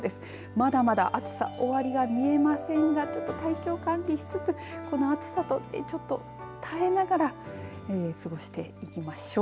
まだまだ暑さ終わりが見えませんが体調管理しつつ、この暑さと耐えながら過ごしていきましょう。